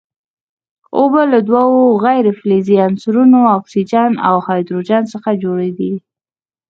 اوبه له دوو غیر فلزي عنصرونو اکسیجن او هایدروجن څخه جوړې دي.